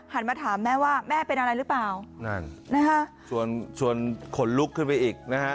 มาถามแม่ว่าแม่เป็นอะไรหรือเปล่านั่นนะฮะส่วนชวนขนลุกขึ้นไปอีกนะฮะ